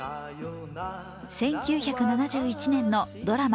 １９７１年のドラマ